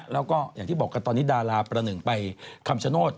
แล้วก็อย่างที่บอกกันตอนนี้ดาราประหนึ่งไปคำชโนธ